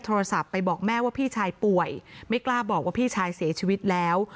โทรศัพท์ไปบอกแม่ว่าพี่ชายป่วยไม่กล้าบอกว่าพี่ชายเสียชีวิตแล้ว